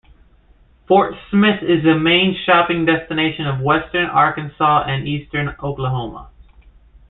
Fort Smith is the main shopping destination of Western Arkansas and Eastern Oklahoma.